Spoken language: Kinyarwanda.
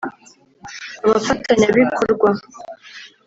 abafatanyabikorwa